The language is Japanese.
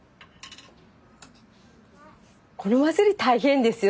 この祭り大変ですよ。